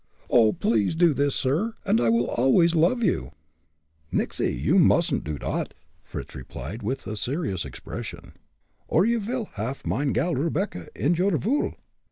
Oh! please do this, sir, and I will always love you." "Nixy! You mustn't do dot," Fritz replied, with a serious expression, "or you vil haff mine gal, Rebecca, in your vool.